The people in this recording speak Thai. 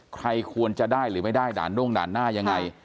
ใครควรจะได้หรือไม่ได้ด่านด้งด่านหน้ายังไง